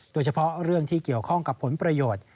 โดยเฉพาะเรื่องที่เกี่ยวข้องกับผลประโยชน์